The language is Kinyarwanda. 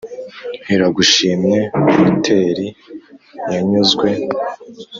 iragushimye muteri yanyuzwe,